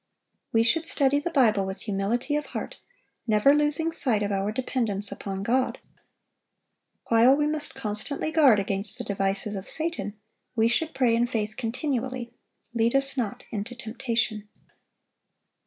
We should study the Bible with humility of heart, never losing sight of our dependence upon God. While we must constantly guard against the devices of Satan, we should pray in faith continually, "Lead us not into temptation."